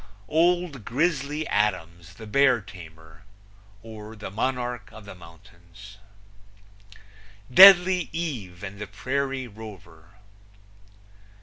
Old Grizzly Adams, the Bear Tamer; or, The Monarch of the Mountains. Deadly Eye and the Prairie Rover.